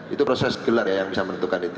itu proses gelar ya yang bisa menentukan itu